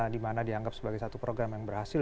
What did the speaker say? dimana dianggap sebagai satu program yang berhasil